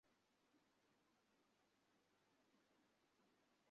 দশ বৎসর যাবৎ ভারতের নানা স্থল বিচরণ করিয়া দেখিলাম, সমাজসংস্কারসভায় দেশ পরিপূর্ণ।